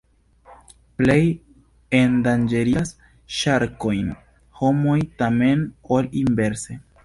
Plej endanĝerigas ŝarkojn homoj, tamen, ol inverse.